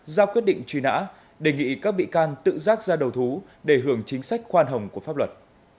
ra quyết định truy nã đề nghị các bị can tự rác ra đầu thú để hưởng chính sách khoan hồng của pháp luật